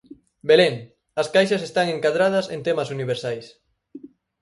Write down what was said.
Belén: As caixas están encadradas en temas universais.